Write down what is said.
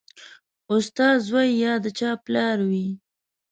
استاد زوی یا د چا پلار وي